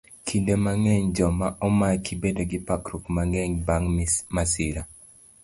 Kinde mang'eny, joma omaki bedo gi parruok mang'eny bang' masira.